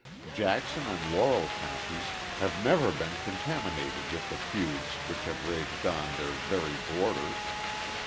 Jackson and Laurel counties have never been contaminated with the feuds which have raged on their very borders.